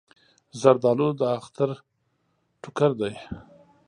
زردالو د اختر ټوکر دی.